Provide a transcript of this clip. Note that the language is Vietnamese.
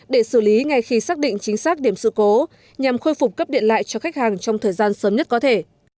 để xử lý ngay khi xác định chính xác điểm sự cố nhằm khôi phục cấp điện lại cho khách hàng trong thời gian sớm nhất có thể